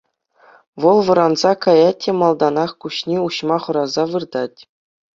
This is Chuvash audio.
Вӑл вӑранса каять те малтанах куҫне уҫма хӑраса выртать.